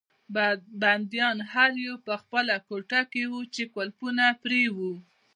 بندیان هر یو په خپله کوټه کې وو چې قلفونه پرې وو.